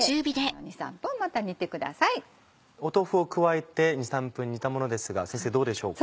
豆腐を加えて２３分煮たものですが先生どうでしょうか？